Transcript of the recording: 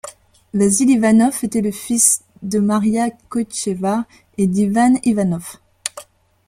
Vassil Ivanoff était le fils de Maria Koitcheva et d'Ivan Ivanoff.